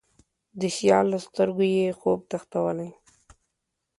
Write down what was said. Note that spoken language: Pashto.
د سیال له سترګو یې، خوب تښتولی